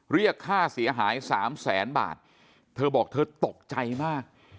เรียกค่าเสียหายสามแสนบาทเธอบอกเธอตกใจมาก